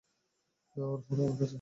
না, ওর ফোন আমার কাছে।